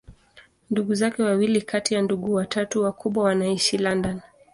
Ndugu zake wawili kati ya ndugu watatu wakubwa wanaishi London.